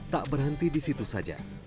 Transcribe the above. tak berhenti di situ saja